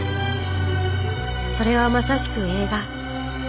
それはまさしく映画。